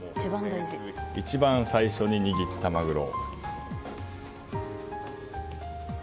一番最初に握ったマグロ。